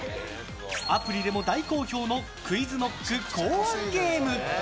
アプリでも大好評のＱｕｉｚＫｎｏｃｋ考案ゲーム。